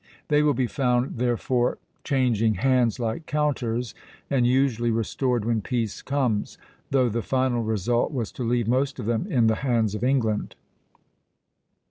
They will be found therefore changing hands like counters, and usually restored when peace comes; though the final result was to leave most of them in the hands of England.